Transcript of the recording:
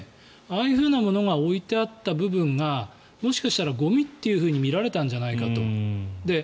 ああいうものが置いてあった部分がもしかしたらゴミと見られたんじゃないかと。